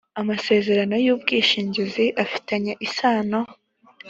amasezerano y ‘ubwishingizi afitanye isano.